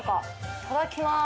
いただきます。